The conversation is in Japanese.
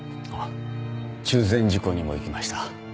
中禅寺湖にも行きました。